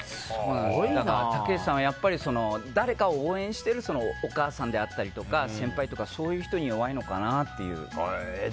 たけしさんは、やっぱり誰かを応援しているお母さんであったりとか先輩とかそういう人に弱いのかなっていう。